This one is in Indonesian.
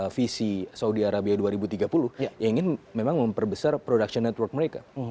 visi saudi arabia dua ribu tiga puluh yang ingin memang memperbesar production network mereka